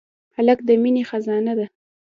هلک د مینې خزانه ده.